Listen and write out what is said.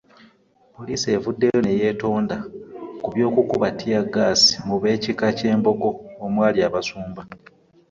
Poliisi evuddeyo ne yeetonda ku by'okukuba ttiiyaggaasi mu b'ekika ky'e Mbogo omwali abasumba